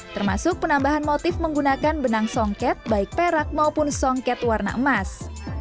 termasuk penambahan motif menggunakan benang songket baik perak maupun songket warna emas